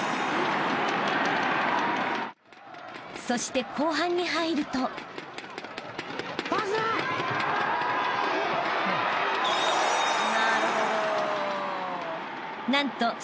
［そして後半に入ると］